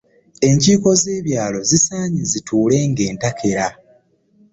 Enkiiko z'ebyalo zisaanye zituulenga entakera.